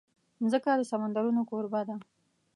مځکه د سمندرونو کوربه ده.